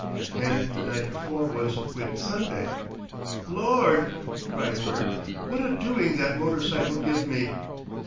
And the night before was Whit Sunday. "Lord!" cried Bert, "what a doing that motor bicycle give me!"